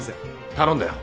頼んだよ。